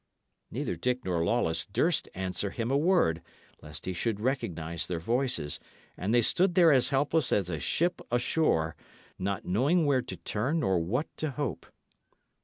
Neither Dick nor Lawless durst answer him a word, lest he should recognise their voices; and they stood there as helpless as a ship ashore, not knowing where to turn nor what to hope.